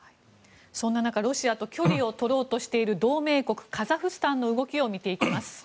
そんな中、ロシアと距離を取ろうとしている同盟国、カザフスタンの動きを見ていきます。